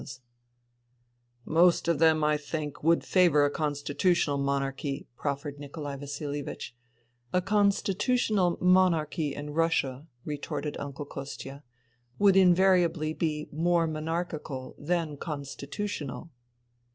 INTERVENING IN SIBERIA 189 " Most of them, I think, would favour a Consti tutional Monarchy," proffered Nikolai Vasilievich. *' A constitutional monarchy in Russia," retorted Uncle Kostia, " would invariably be more monarchi cal than constitutional."